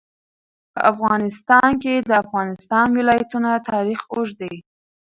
په افغانستان کې د د افغانستان ولايتونه تاریخ اوږد دی.